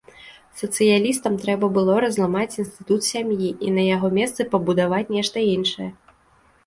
Сацыялістам трэба было разламаць інстытут сям'і і на яго месцы пабудаваць нешта іншае.